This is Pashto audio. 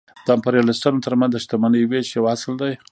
د امپریالیستانو ترمنځ د شتمنۍ وېش یو اصل دی